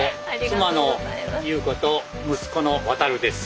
妻の裕子と息子の航です。